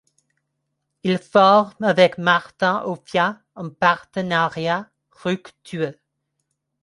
Il forme avec Martin Offiah un partenariat fructueux.